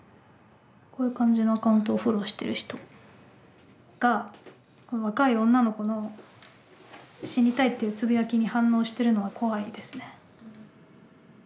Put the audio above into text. こういう感じのアカウントをフォローしてる人がこの若い女の子の「死にたい」っていうつぶやきに反応してるのが怖いですね。